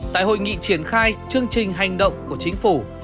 tại hội nghị triển khai chương trình hành động của chính phủ